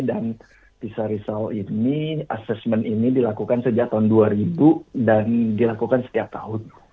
dan pisa risaul ini assessment ini dilakukan sejak tahun dua ribu dan dilakukan setiap tahun